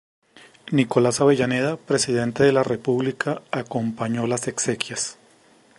Nicolás Avellaneda, presidente de la República, acompañó las exequias.